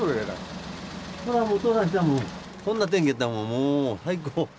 こんな天気やったらもう最高。